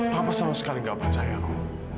papa sama sekali gak percaya kamu